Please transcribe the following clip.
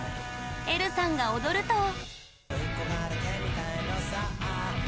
えるさんが踊ると。